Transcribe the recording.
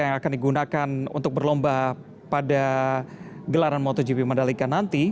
yang akan digunakan untuk berlomba pada gelaran motogp mandalika nanti